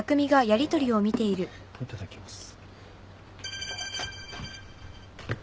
いただきます。